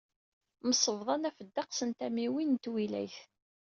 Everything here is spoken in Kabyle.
Msebḍan ɣef ddeqs n tamiwin n twilayt.